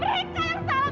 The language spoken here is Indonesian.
mereka yang salah